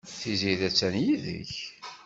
Tiziri attan yid-k?